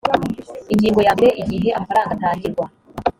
ingingo yambere igihe amafaranga atangirwa